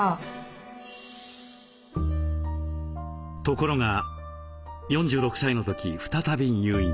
ところが４６歳の時再び入院。